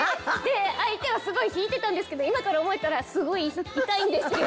相手はスゴい引いてたんですけど今から思ったらスゴいイタいんですけど。